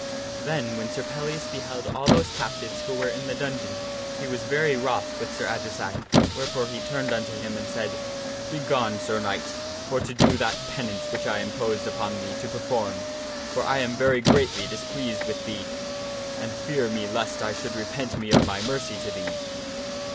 Then when Sir Pellias beheld all those captives who were in the dun geon he was very wroth with Sir Adresack, wherefore he turned unto him and said, " Begone, Sir Knight, for to do that penance which I imposed upon thee to perform, for I am very greatly displeased with thee, and fear me lest I should repent me of my mercy to thee."